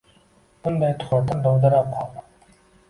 Bunday tuhmatdan dovdirab qoldim